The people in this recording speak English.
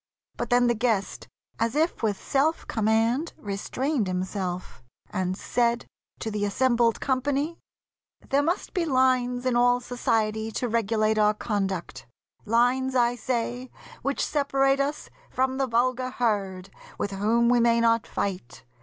But then the guest As if with self command restrained himself, And said to the assembled company, "There must be lines in all society To regulate our conduct. Lines, I say, Which separate us from the vulgar herd, With whom we may not fight.